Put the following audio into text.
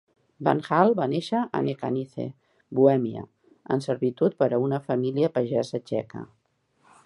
Wanhal va nàixer a Nechanice, Bohemia, en servitud per a una família pagesa txeca.